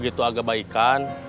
gak ada yang ngebaikan